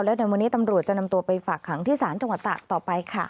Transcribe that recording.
แล้วในวันนี้ตำรวจจะนำตัวไปฝากขังที่ศาลจังหวัดตากต่อไปค่ะ